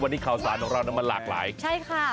วันนี้ข่าวสารของเรามันหลากหลายใช่ค่ะ